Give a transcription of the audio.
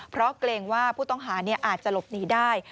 เพราะเกรงว่าผู้ต้องหาอาจจะหลบหนีได้